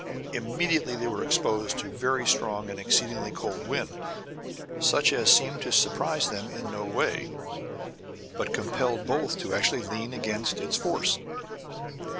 Immediately they were exposed to a very strong and exceedingly cold wind, such as seemed to surprise them in no way, but compelled both to actually lean against its force.